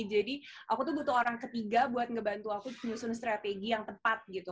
jadi aku tuh butuh orang ketiga buat ngebantu aku menyusun strategi yang tepat gitu